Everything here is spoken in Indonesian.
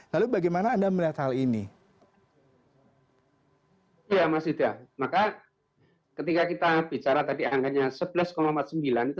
lalu bagaimana anda melihat hal ini ya mas ida maka ketika kita bicara tadi angkanya sebelas empat puluh sembilan itu